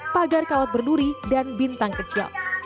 pagar kawat berduri dan bintang kecil